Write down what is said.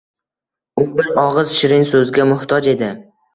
U bir og‘iz shirinso‘zga muhtoj edi.